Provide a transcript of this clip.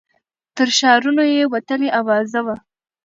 تر ښارونو یې وتلې آوازه وه